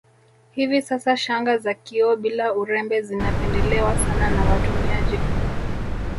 Hivi sasa shanga za kioo bila urembe zinapendelewa sana na watumiaji